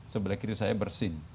sebelah kiri saya bersin